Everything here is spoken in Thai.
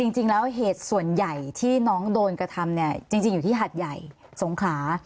จริงแล้วเหตุส่วนใหญ่ที่น้องโดนกระทำเนี่ยจริงอยู่ที่หัดใหญ่สงขลา